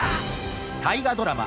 大河ドラマ